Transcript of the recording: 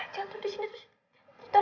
jatuh di sini terus